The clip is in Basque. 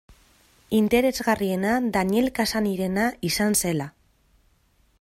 Interesgarriena Daniel Cassany-rena izan zela.